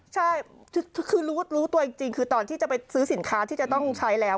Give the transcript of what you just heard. ใช่คือรู้ตัวจริงคือตอนที่จะไปซื้อสินค้าที่จะต้องใช้แล้ว